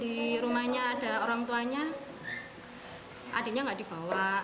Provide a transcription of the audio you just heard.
di rumahnya ada orang tuanya adiknya nggak dibawa